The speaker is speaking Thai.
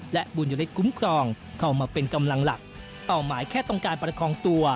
และบุญยฤทธคุ้มครองเข้ามาเป็นกำลังหลักเป้าหมายแค่ต้องการประคองตัว